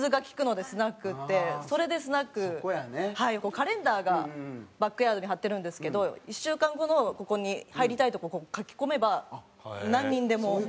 カレンダーがバックヤードに貼ってるんですけど１週間後のここに入りたいとこ書き込めば何人でも。